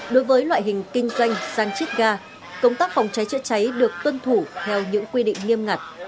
đối với loại hình kinh doanh giang chít ga công tác phòng cháy cháy cháy được tuân thủ theo những quy định nghiêm ngặt